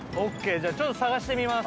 じゃあちょっと探してみます。